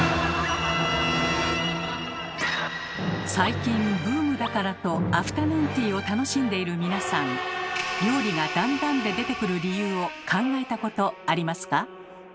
最近ブームだからとアフタヌーンティーを楽しんでいる皆さん料理が段々で出てくる理由を考えたことありますか？